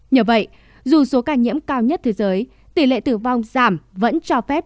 nhờ vậy dù số ca nhiễm cao nhất thế giới tỷ lệ tử vong giảm vẫn cho phép